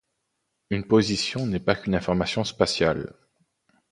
Une position n'est pas qu'une information spatiale.